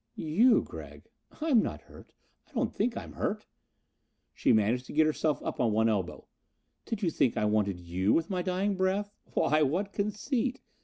"You, Gregg. I'm not hurt I don't think I'm hurt." She managed to get herself up on one elbow. "Did you think I wanted you with my dying breath? Why, what conceit!